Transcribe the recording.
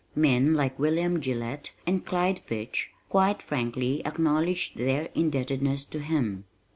Men like William Gillette and Clyde Fitch quite frankly acknowledged their indebtedness to him.